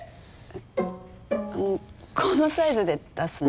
このサイズで出すの？